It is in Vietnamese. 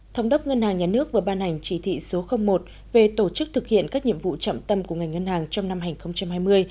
thống đốc ngân hàng nhà nước vừa ban hành chỉ thị số một về tổ chức thực hiện các nhiệm vụ trọng tâm của ngành ngân hàng trong năm hai nghìn hai mươi